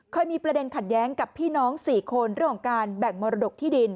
เคยมีประเด็นขัดแย้งกับพี่น้อง๔คนเรื่องของการแบ่งมรดกที่ดิน